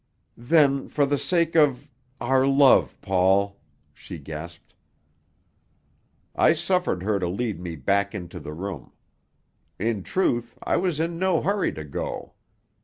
"Then for the sake of our love, Paul!" she gasped. I suffered her to lead me back into the room. In truth, I was in no hurry to go.